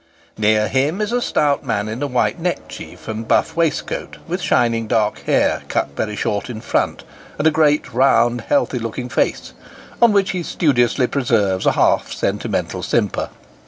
Near him is a stout man in a white neckerchief and buff waistcoat, with shining dark hair, cut very short in front, and a great round healthy looking face, on which he studiously preserves a half sentimental simper.